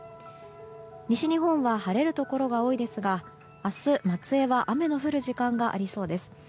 西日本は晴れるところが多いですが明日、松江は雨の降る時間がありそうです。